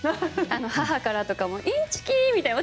母からとかもインチキ！みたいな。